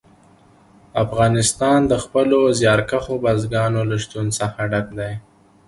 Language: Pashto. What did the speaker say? افغانستان د خپلو زیارکښو بزګانو له شتون څخه ډک دی.